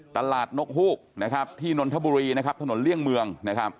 ตลาดนกฮูกที่นทบุรีถนนเลี่ยงเมือง